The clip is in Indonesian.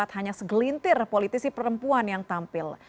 hanya segelintir politisi perempuan yang tampil